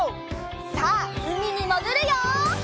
さあうみにもぐるよ！